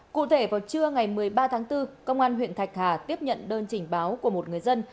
cụ thể vào trưa ngày một mươi ba tháng bốn công an huyện thạch hà tiếp nhận đơn trình báo của một người dân